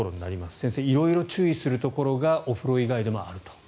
先生、色々注意するところがお風呂以外でもあると。